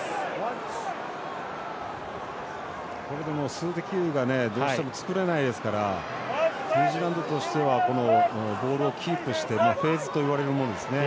数的優位がどうしても作れないですからニュージーランドとしてはボールをキープしてフェーズといわれるものですね。